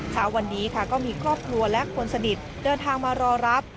เช้าวันนี้ค่ะก็มีครอบครัวและคนสนิทเดินทางมารอรับ